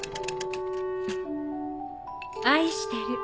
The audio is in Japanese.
「愛してる」。